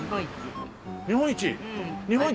日本一？